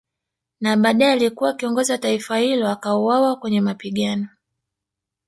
Na badae aliyekuwa kiongozi wa taifa hilo akauwawa kwenye mapigano